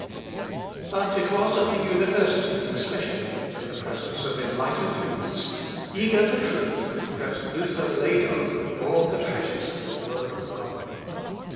But it was at the university especially, in presence of enlightened youths, eager for truth, that Luther laid open all the treasures of the word of God.